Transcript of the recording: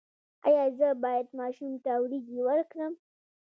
ایا زه باید ماشوم ته وریجې ورکړم؟